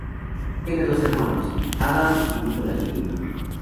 Tiene dos hermanos, Adam y Nicholas Jr.